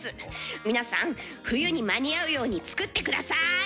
皆さん冬に間に合うように作って下さい！